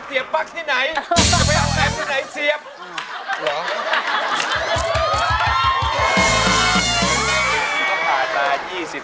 เดี๋ยวพ่อหนาฟ้ายังเสียบปั๊กที่ไหนเสียบ